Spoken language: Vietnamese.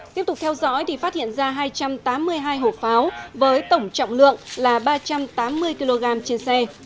tiếp tục theo dõi thì phát hiện ra hai trăm tám mươi hai hộp pháo với tổng trọng lượng là ba trăm tám mươi kg trên xe